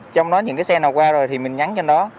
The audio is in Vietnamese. trong đó những cái xe nào qua rồi thì mình nhắn cho nó